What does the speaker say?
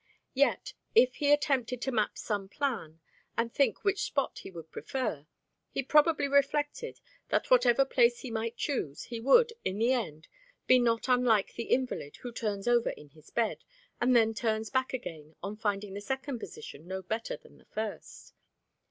Yet, if he attempted to map some plan, and think which spot he would prefer, he probably reflected that whatever place he might choose, he would, in the end, be not unlike the invalid who turns over in his bed, and then turns back again on finding the second position no better than the first.